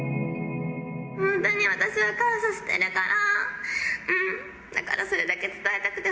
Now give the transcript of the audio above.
本当に私は感謝してるから、うん、だからそれだけ伝えたくて。